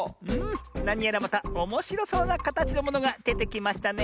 なにやらまたおもしろそうなかたちのものがでてきましたね。